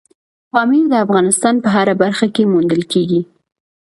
پامیر د افغانستان په هره برخه کې موندل کېږي.